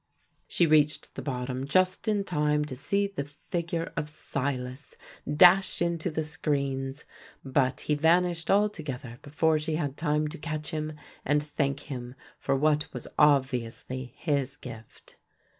She reached the bottom just in time to see the figure of Silas dash into the screens; but he vanished altogether before she had time to catch him and thank him for what was obviously his gift.